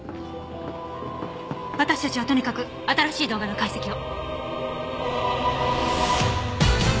私たちはとにかく新しい動画の解析を！